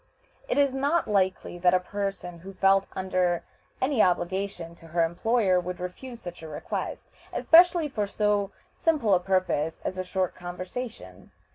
It is not likely that a person who felt under any obligation to her employer would refuse such a request, especially for so simple a purpose as a short conversation.